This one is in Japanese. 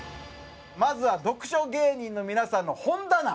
まずは読書芸人の皆さんの本棚。